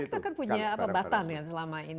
tapi kita kan punya batang selama ini kan